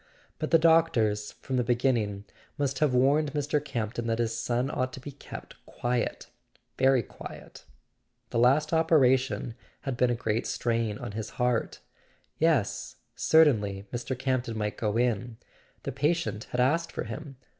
But the doctors, from the beginning, must have warned Mr. Campton that his son ought to be kept quiet—very quiet. The [ 406 ] A SON AT THE FRONT last operation had been a great strain on his heart. Yes, certainly, Mr. Camp ton might go in; the patient had asked for him.